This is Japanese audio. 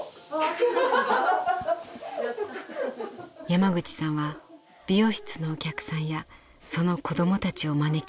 山口さんは美容室のお客さんやその子供たちを招きました。